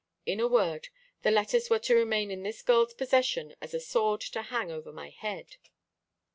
In a word, the letters were to remain in this girl's possession as a sword to hang over my head.